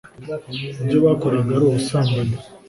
ibyo bakoraga ari ubusambanyi